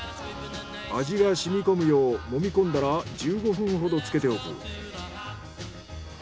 味が染み込むようもみ込んだら１５分ほど浸けておく。